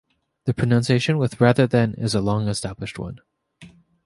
The pronunciation with rather than is a long-established one.